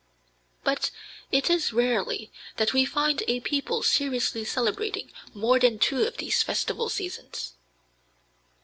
But it is rarely that we find a people seriously celebrating more than two of these festival seasons.